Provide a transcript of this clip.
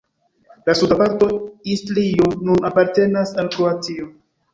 La suda parto Istrio nun apartenas al Kroatio.